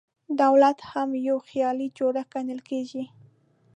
دولت هم یو خیالي جوړښت ګڼل کېږي.